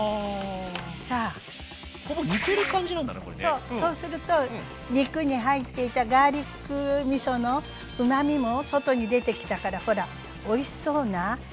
そうそうすると肉に入っていたガーリックみそのうまみも外に出てきたからほらおいしそうなスープになってない？